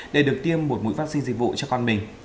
để được tiêm một mũi vaccine dịch vụ cho con mình